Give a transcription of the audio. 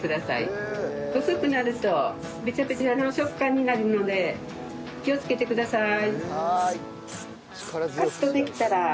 薄くなるとベチャベチャの食感になるので気をつけてください。